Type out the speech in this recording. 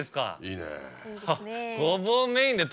いいねぇ。